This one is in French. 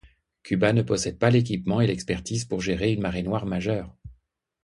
Cuba ne possède pas l'équipement et l'expertise pour gérer une marée noire majeure.